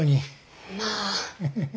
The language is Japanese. まあ。